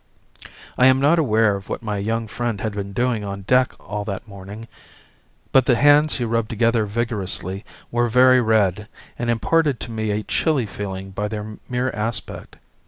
I am not aware of what my young friend had been doing on deck all that morning, but the hands he rubbed together vigorously were very red and imparted to me a chilly feeling by their mere aspect.